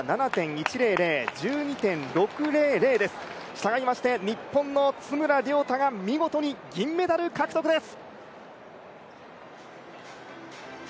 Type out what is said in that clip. したがいまして日本の津村涼太が見事、銀メダル獲得です！